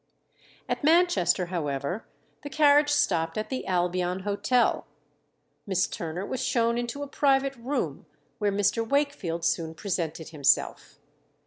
At Manchester, however, the carriage stopped at the Albion Hotel. Miss Turner was shown into a private room, where Mr. Wakefield soon presented himself.